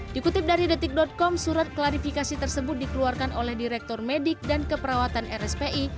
dikutip dari detik com surat klarifikasi tersebut dikeluarkan oleh direktur medik dan keperawatan rspi